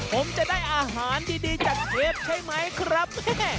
ผมจะได้อาหารดีจากเชฟใช่ไหมครับ